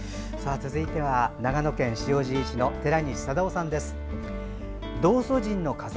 続いては、長野県塩尻市の寺西定雄さんです。